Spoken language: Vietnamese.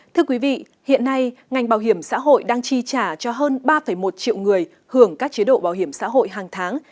thưa quý vị hiện nay ngành bảo hiểm xã hội đang chi trả cho hơn ba một triệu người hưởng các chế độ bảo hiểm xã hội hàng tháng